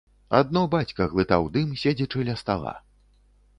Адно бацька глытаў дым, седзячы ля стала.